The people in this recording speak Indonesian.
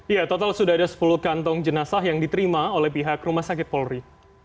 ya total sudah ada sepuluh kantong jenazah yang diterima oleh pihak rumah sakit polri